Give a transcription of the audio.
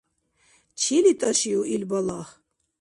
Чили тӀашиу ил балагь?